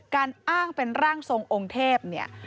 การอ้างเป็นร่างทรงองค์เทพเนี่ย